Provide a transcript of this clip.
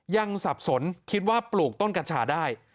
สับสนคิดว่าปลูกต้นกัญชาได้